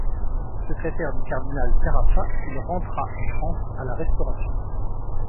Secrétaire du cardinal Carafa, il rentra en France à la Restauration.